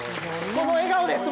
この笑顔です